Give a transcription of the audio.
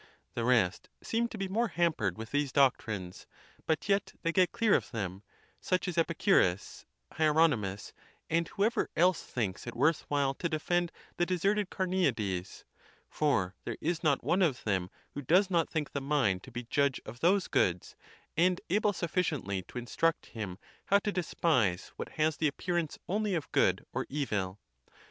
The rest seem to be more hampered with these doctrines, but yet they get clear of them; such as Epicurus, Hie ronymus, and whoever else thinks it worth while to defend the deserted Carneades: for there is not one of them who does not think the mind to be judge of those goods, and able sufficiently to instruct him how to despise what has the appearance only of good or evil.